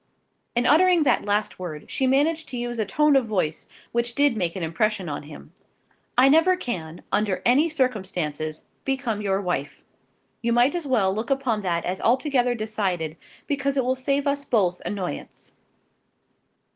In uttering that last word she managed to use a tone of voice which did make an impression on him. "I never can, under any circumstances, become your wife. You might as well look upon that as altogether decided, because it will save us both annoyance."